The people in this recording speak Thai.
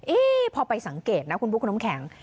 เอ๊พอไปสังเกตนะคุณบุคคุณอมแข็ง